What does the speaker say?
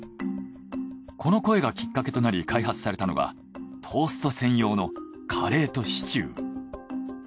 この声がきっかけとなり開発されたのがトースト専用のカレーとシチュー。